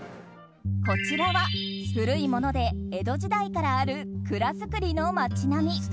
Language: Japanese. こちらは、古いもので江戸時代からある蔵造りの町並み。